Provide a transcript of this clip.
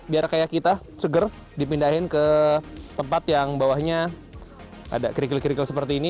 biar kayak kita seger dipindahin ke tempat yang bawahnya ada kerikil kerikil seperti ini